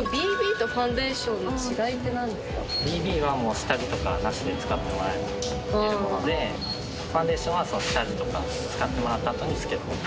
ＢＢとファンデーションの違ＢＢはもう、下地とかなしで使ってもらえるもので、ファンデーションは下地とかを使ってもらった後につけるもの。